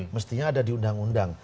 mestinya ada di undang undang